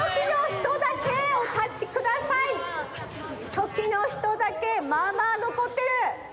チョキのひとだけまあまあのこってる。